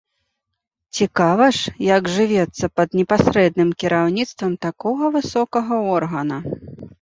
Цікава ж, як жывецца пад непасрэдным кіраўніцтвам такога высокага органа.